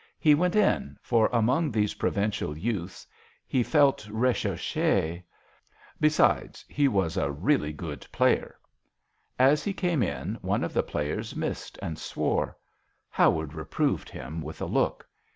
He went in, for among these provincial youths he felt recherche; besides, he was a really good player. As he came in one of the players missed and swore. Howard reproved him with a look.